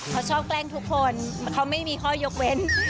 เขาชอบแกล้งทุกคนเขาไม่มีข้อยกเว้น